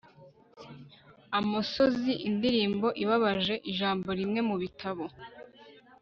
Amosozi indirimbo ibabaje ijambo rimwe mubitabo